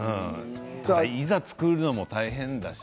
いざ作るのも大変だし。